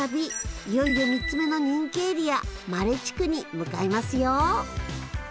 いよいよ３つ目の人気エリアマレ地区に向かいますよ。